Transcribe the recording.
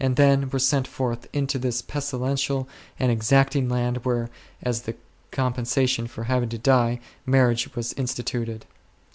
then were sent forth into this pestilential and exacting land where, as the compensation for having to die, marriage was instituted 9.